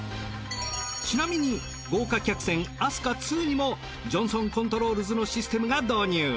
ちなみに豪華客船飛鳥にもジョンソンコントロールズのシステムが導入。